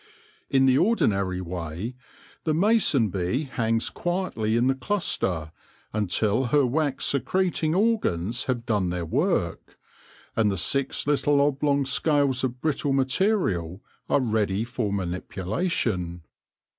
In the ordinary way the mason bee hangs quietly in the cluster until her wax secreting organs have done their work, and the six little oblong scales of brittle material are ready for manipulation.